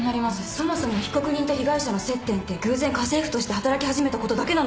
そもそも被告人と被害者の接点って偶然家政婦として働き始めたことだけなのかな。